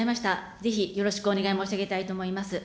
ぜひよろしくお願い申し上げたいと思います。